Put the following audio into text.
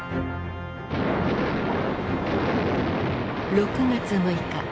６月６日。